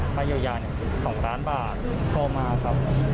ค่าเยียวยา๒ล้านบาทโทรมาครับ